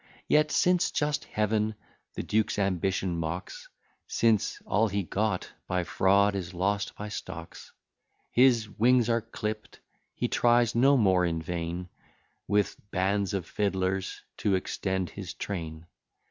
Yet, since just Heaven the duke's ambition mocks, Since all he got by fraud is lost by stocks, His wings are clipp'd: he tries no more in vain With bands of fiddlers to extend his train.